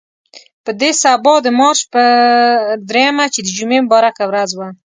په دې سبا د مارچ په درېیمه چې د جمعې مبارکه ورځ وه.